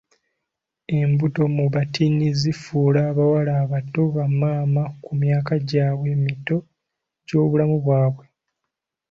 Embuto mu battiini zifuula abawala abato ba maama ku myaka gyabwe emito egy'obulamu bwabwe.